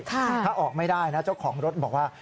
ถ้าออกไม่ได้นะเจ้าของรถบอกว่า